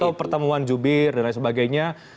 pak kato pertemuan jubir dan lain sebagainya